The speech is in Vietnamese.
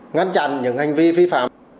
ngăn chặn những hành vi vi phạm